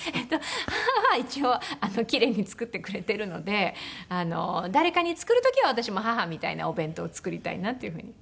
母は一応奇麗に作ってくれているので誰かに作る時は私も母みたいなお弁当を作りたいなっていうふうに。